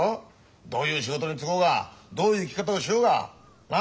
どういう仕事に就こうがどういう生き方をしようが。な？